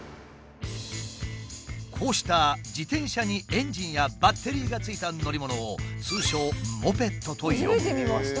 こうした自転車にエンジンやバッテリーが付いた乗り物を通称初めて見ました。